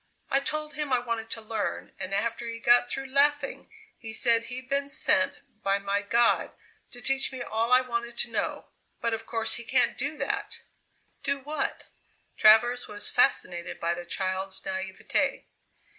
"I told him I wanted to learn, and after he got through laughing he said he'd been sent by my god to teach me all I wanted to know; but of course he can't do that!" "Do what?" Travers was fascinated by the child's naïvety.